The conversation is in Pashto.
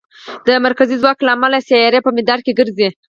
د مرکزي ځواک له امله سیارې په مدار کې ګرځي.